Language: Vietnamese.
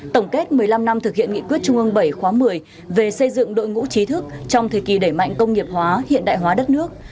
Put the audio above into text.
tổng kết một mươi năm năm thực hiện nghị quyết trung ương bảy khóa một mươi về xây dựng đội ngũ trí thức trong thời kỳ đẩy mạnh công nghiệp hóa hiện đại hóa đất nước